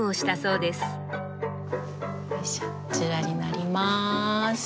こちらになります。